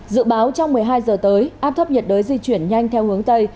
dự báo trong một mươi hai giờ tới áp thấp nhiệt đới di chuyển nhanh theo hướng tây